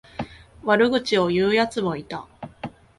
悪口を言うやつもいた。